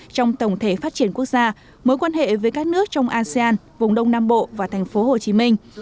trong tổng thể phát triển quốc gia mối quan hệ với các nước trong asean vùng đông nam bộ và thành phố hồ chí minh